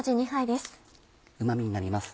うま味になります。